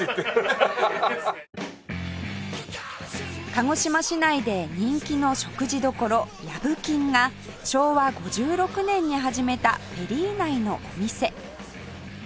鹿児島市内で人気の食事処やぶ金が昭和５６年に始めたフェリー内のお店